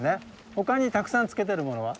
他にたくさんつけてるものは？